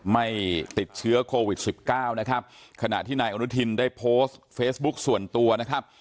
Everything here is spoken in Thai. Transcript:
ไม่ติดเชื้อโควิดสิบเก้านะครับขณะที่นายอนุทินได้โพสต์เฟซบุ๊คส่วนตัวนะครับ